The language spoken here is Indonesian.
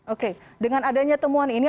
oke dengan adanya temuan ini